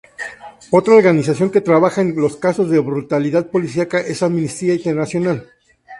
Otra organización que trabaja en los casos de brutalidad policial es Amnistía Internacional.